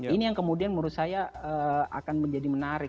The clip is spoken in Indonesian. ini yang kemudian menurut saya akan menjadi menarik